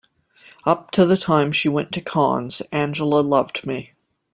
Up to the time she went to Cannes Angela loved me.